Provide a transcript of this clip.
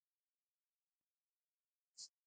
د پښتو علمي لیکنې باید زیاتې سي.